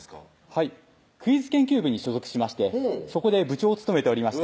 はいクイズ研究部に所属しましてそこで部長を務めておりました